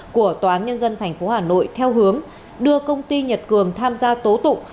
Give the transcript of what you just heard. của tòa án nhân dân tp hà nội theo hướng đưa công ty nhật cường tham gia tố tụng